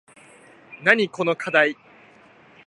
なにこのかだい